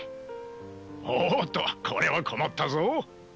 おっとこれは困ったぞ。